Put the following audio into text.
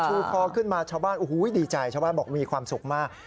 ชูคอขึ้นมาชาวบ้านโอ้โหดีใจชาวบ้านบอกมีความสุขมาก